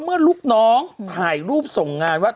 เมื่อรูปน้องถ่ายรูปส่งงานว่า